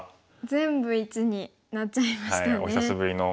全部１になっちゃいましたね。